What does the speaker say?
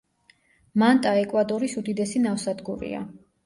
მანტა ეკვადორის უდიდესი ნავსადგურია.